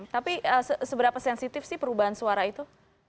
tapi seberapa sensitif sih perubahan suara itu